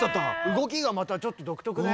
動きがまたちょっと独特ね。